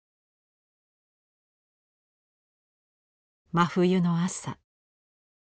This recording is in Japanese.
真冬の朝。